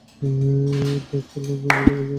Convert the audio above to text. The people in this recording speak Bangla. দেখ সুলতান, অনেক দেখেছি তোর এই নাটক।